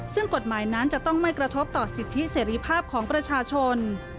ซึ่งกฎหมายนั้นจะต้องไม่กระทบต่อสิทธิเสรีภาพของประชาชน